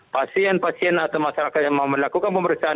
pasien pasien atau masyarakat yang mau melakukan pemeriksaan